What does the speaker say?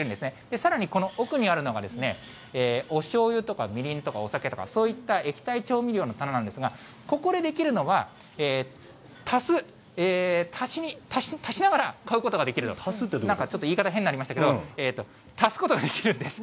さらにこの奥にあるのが、おしょうゆとか、みりんとかお酒とか、そういった液体調味料の棚なんですが、ここでできるのは足す、足しながら買うことができる、なんかちょっと言い方、変になりましたけど、足すことができるんです。